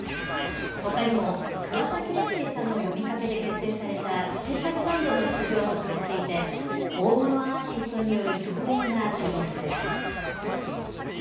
ほかにも、桑田佳祐さんの呼びかけで結成されたスペシャルバンドの出場も決まっていて、大物アーティストによる共演が注目されます。